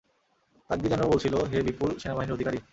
তাকদীর যেন বলছিল, হে বিপুল সেনাবাহিনীর অধিকারী।